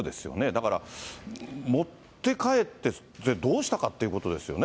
だから、持って帰ってどうしたかってことですよね。